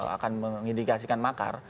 akan mengindikasikan makar